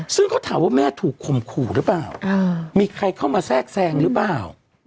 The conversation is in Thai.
ซึ่งเขาถามว่าแม่ถูกข่มขู่หรือเปล่ามีใครเข้ามาแทรกแทรงหรือเปล่า